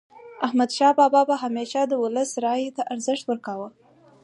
احمدشاه بابا به همیشه د ولس رایې ته ارزښت ورکاوه.